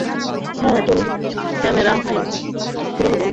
হ্যাঁ - Tony Cameron - hi আমি মেলিন্ডার পুরনো বন্ধু।